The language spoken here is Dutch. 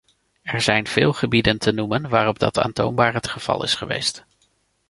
Er zijn veel gebieden te noemen waarop dat aantoonbaar het geval is geweest.